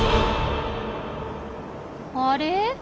あれ？